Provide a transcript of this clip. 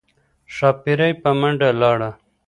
ښاپیرۍ په منډه لاړه